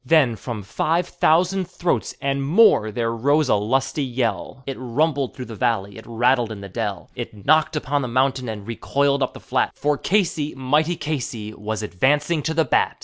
Then from five thousand throats and more threr rose a lusty yell, It rumbled through the valley, it rattled in the dell, It knocked upon the mountain and recoiled upon the flat, For Casey, mighty Casey, was advancing to the bat.